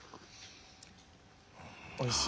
おいしい。